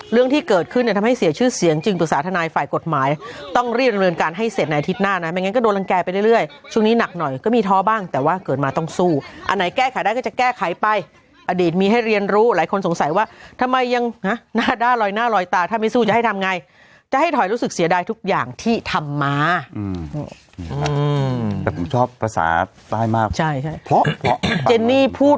เรื่องที่เกิดขึ้นทำให้เสียชื่อเสียงจึงตุศาสนาธนาศิกษาศิกษาศิกษาศิกษาศิกษาศิกษาศิกษาศิกษาศิกษาศิกษาศิกษาศิกษาศิกษาศิกษาศิกษาศิกษาศิกษาศิกษาศิกษาศิกษาศิกษาศิกษาศิกษาศิกษาศิกษาศิก